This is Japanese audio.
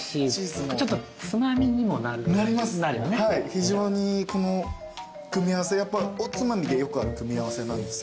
非常にこの組み合わせやっぱおつまみでよくある組み合わせなんですけど。